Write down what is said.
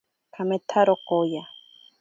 Kametsaro kooya.